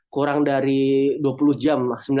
kurang dari dua puluh jam